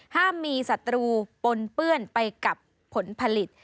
ห้ามมีศัตรูปนเปื้อนไปกับผลผลิต